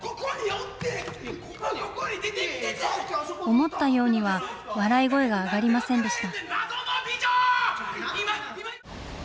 思ったようには笑い声が上がりませんでした。